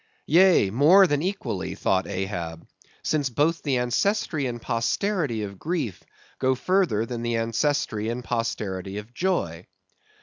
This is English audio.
Yea, more than equally, thought Ahab; since both the ancestry and posterity of Grief go further than the ancestry and posterity of Joy.